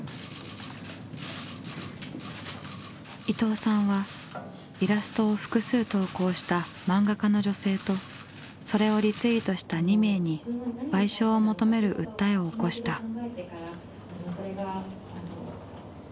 伊藤さんはイラストを複数投稿した漫画家の女性とそれをリツイートした２名に賠償を求める訴えを起こした。